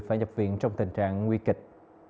phải nhập viện trong tình trạng nguy kịch